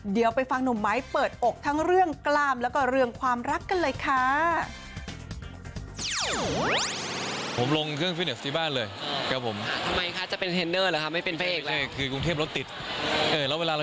เดี๋ยวไปฟังหนุ่มไม้เปิดอกทั้งเรื่องกล้ามแล้วก็เรื่องความรักกันเลยค่ะ